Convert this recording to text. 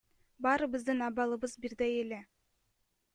Баарыбыздын абалыбыз бирдей эле.